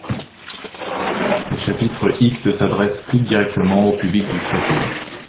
Le chapitre X s'adresse plus directement au public du traité.